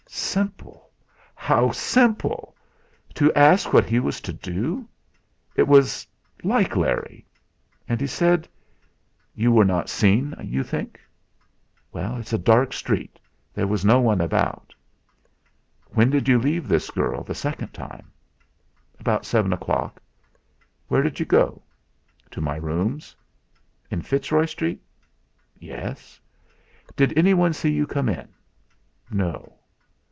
"Simple! How simple! To ask what he was to do! It was like Larry! And he said: "You were not seen, you think?" "It's a dark street. There was no one about." "When did you leave this girl the second time?" "About seven o'clock." "Where did you go?" "To my rooms." "In Fitzroy Street?" "Yes." "Did anyone see you come in?" "No."